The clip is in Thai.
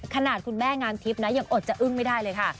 ขนาดคุณแม่งามทิพย์นะยังอดจะอึ้งไม่ได้เลยค่ะ